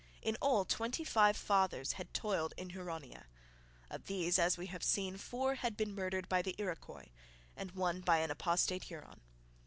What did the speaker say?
In all twenty five fathers had toiled in Huronia. Of these, as we have seen, four had been murdered by the Iroquois and one by an apostate Huron.